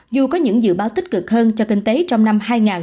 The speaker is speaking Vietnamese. dù có những dự báo tích cực hơn cho kinh tế trong năm hai nghìn hai mươi